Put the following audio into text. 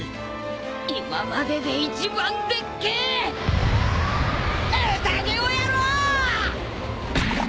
今までで一番でっけえ宴をやろう！